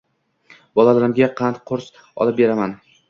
Bolalarimga qand-qurs olib beraman